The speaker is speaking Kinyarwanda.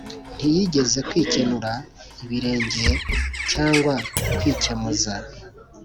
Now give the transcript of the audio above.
Ntiyigeze kwikenura ibirenge cyangwa kwikemuza